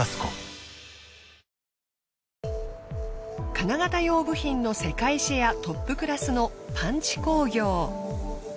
金型用部品の世界シェアトップクラスのパンチ工業。